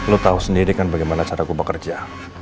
lo tau sendiri kan bagaimana cara gue bekerja